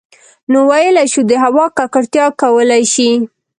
نـو ٫ويلـی شـوو د هـوا ککـړتـيا کـولی شـي